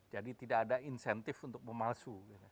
jadi tidak ada insentif untuk memalsu